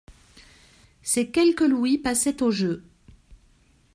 Ses quelques louis passaient au jeu.